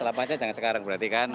lapasnya jangan sekarang berarti kan